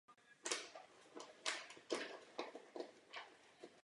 Příčina katastrofy není známá.